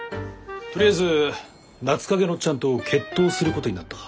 とりあえず夏影のオッチャンと決闘することになった。